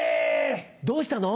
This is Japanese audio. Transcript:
どうしたの？